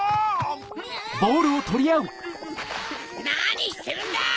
なにしてるんだ！